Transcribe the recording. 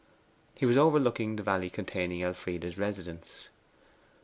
He was overlooking the valley containing Elfride's residence.